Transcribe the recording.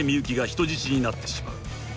人質になってしまう］